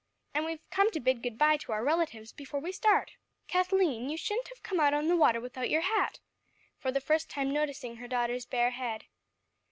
"And we've come to bid good bye to our relatives before we start. Kathleen, you shouldn't have come out on the water without your hat," for the first time noticing her daughter's bare head.